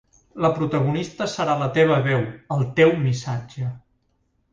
La protagonista serà la teva veu, el teu missatge.